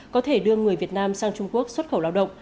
có thể đưa người việt nam sang trung quốc xuất khẩu lao động